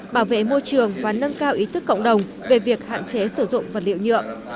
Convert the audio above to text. bảo vệ môi trường và nâng cao ý thức cộng đồng về việc hạn chế sử dụng vật liệu nhựa